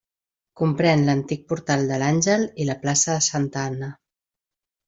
Comprèn l'antic portal de l'Àngel i la plaça de Santa Anna.